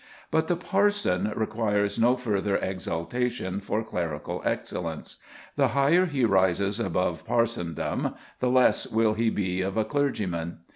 But the parson requires no further exaltation for clerical excellence. The higher he rises above parsondom, the less will he be of a clergyman.